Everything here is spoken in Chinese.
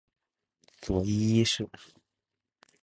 佐伊一世。